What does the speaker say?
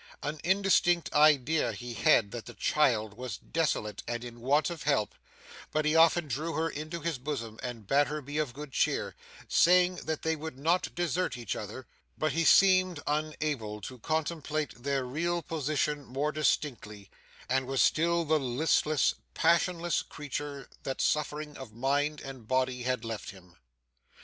An indistinct idea he had, that the child was desolate and in want of help; for he often drew her to his bosom and bade her be of good cheer, saying that they would not desert each other; but he seemed unable to contemplate their real position more distinctly, and was still the listless, passionless creature that suffering of mind and body had left him.